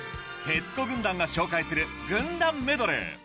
徹子軍団が紹介する軍団メドレー